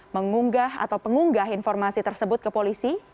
mengunggah atau pengunggah informasi tersebut ke polisi